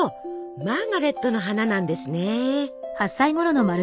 マーガレットの花なんですね。